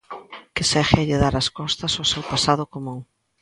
Que segue a lle dar as costas ao seu pasado común.